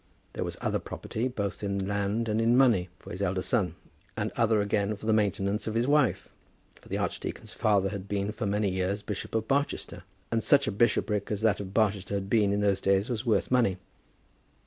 There was other property, both in land and in money, for his elder son, and other again for the maintenance of his wife, for the archdeacon's father had been for many years Bishop of Barchester, and such a bishopric as that of Barchester had been in those days was worth money.